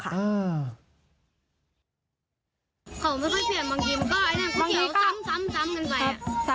ข้าวไม่ค่อยเปลี่ยนบางทีมันก็เกี่ยวกันซ้ำกันไป